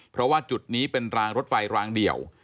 เพราะว่าจุดนี้เป็นรางรถไฟรางเดี่ยว